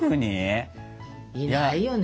いないよね。